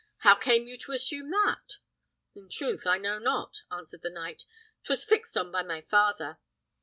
"How came you to assume that?" "In truth, I know not," answered the knight; "'twas fixed on by my father."